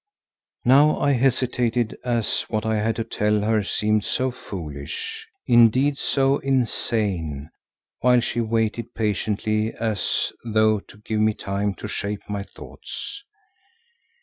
Now I hesitated, as what I had to tell her seemed so foolish, indeed so insane, while she waited patiently as though to give me time to shape my thoughts.